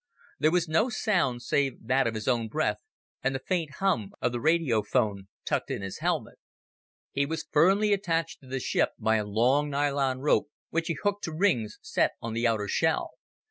There was no sound save that of his own breath and the faint hum of the radio phone tucked in his helmet. He was firmly attached to the ship by a long nylon rope which he hooked to rings set on the outer shell.